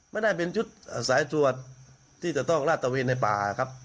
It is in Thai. ไม่ได้เป็นจุดสายจวดที่จะต้องราชเตอร์เวียนในป่าครับ